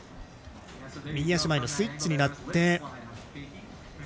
右足前のスイッチになって。